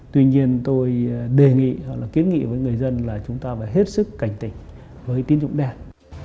tuy nhiên tôi đề nghị kiến nghị với người dân là chúng ta phải hết sức cảnh tỉnh với tín dụng đen